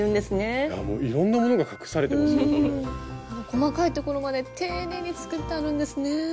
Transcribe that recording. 細かいところまで丁寧に作ってあるんですね。